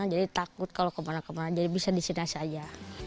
jadi takut kalau kemana kemana jadi bisa di sini saja